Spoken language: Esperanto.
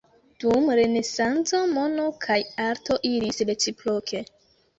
Dum Renesanco, mono kaj arto iris reciproke.